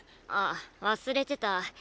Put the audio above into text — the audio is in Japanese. あっ忘れてた。